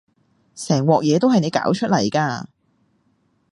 成鑊嘢都係你搞出嚟㗎